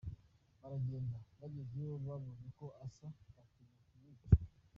Baragenda, bagezeyo babonye uko asa, batinya kumwica.